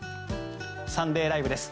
「サンデーＬＩＶＥ！！」です。